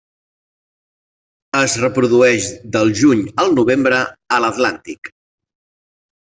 Es reprodueix del juny al novembre a l'Atlàntic.